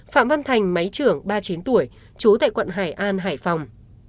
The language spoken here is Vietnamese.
phạm văn thành máy trưởng ba mươi chín tuổi trú tại quận hải an hải phòng